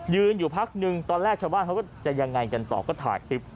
อยู่พักนึงตอนแรกชาวบ้านเขาก็จะยังไงกันต่อก็ถ่ายคลิป